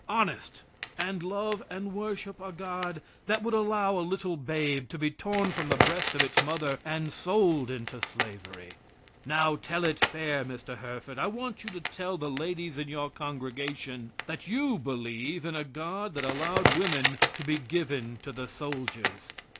Honest! And love and worship a God that would allow a little babe to be torn from the breast of its mother and sold into slavery. Now tell it fair, Mr. Herford, I want you to tell the ladies in your congregation that you believe in a God that allowed women to be given to the soldiers.